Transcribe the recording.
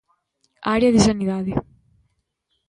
Área de sanidade.